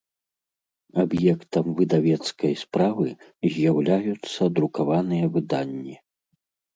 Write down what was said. Аб’ектам выдавецкай справы з’яўляюцца друкаваныя выданнi.